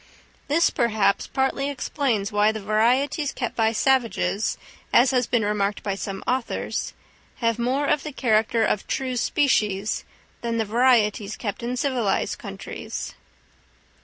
This, perhaps, partly explains why the varieties kept by savages, as has been remarked by some authors, have more of the character of true species than the varieties kept in civilised countries.